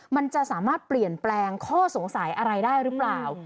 มันจะสามารถเปลี่ยนแปลงข้อสงสัยอะไรได้หรือเปล่า